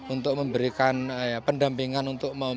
untuk memberikan pendampingan untuk membentuk tim